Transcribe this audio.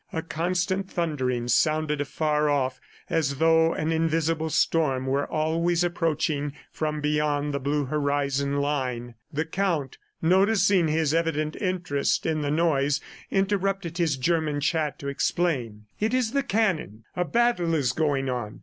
A constant thundering sounded afar off as though an invisible storm were always approaching from beyond the blue horizon line. The Count, noticing his evident interest in the noise, interrupted his German chat to explain. "It is the cannon. A battle is going on.